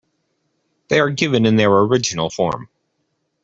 They are given in their original form.